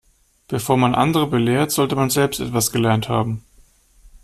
Bevor man andere belehrt, sollte man selbst etwas gelernt haben.